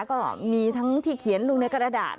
ก็มีทั้งที่เขียนลงในกระดาษ